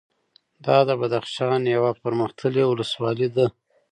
دا د بدخشان یوه پرمختللې ولسوالي ده